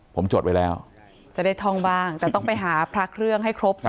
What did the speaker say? ผมจดไว้แล้วจะได้ท่องบ้างแต่ต้องไปหาพระเครื่องให้ครบ